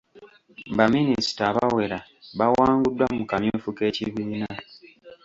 Baminisita abawera bawanguddwa mu kamyufu k'ekibiina.